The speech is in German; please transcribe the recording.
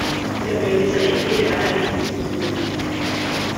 Sie haben in dieser Richtlinie daher nichts zu suchen.